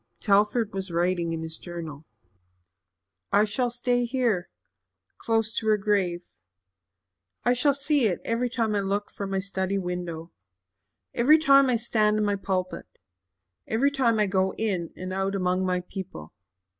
Telford was writing in his journal. "I shall stay here close to her grave. I shall see it every time I look from my study window every time I stand in my pulpit every time I go in and out among my people.